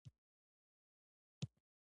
د خپلې طبعې دین به په وچ کوتک په دې خلکو ومني.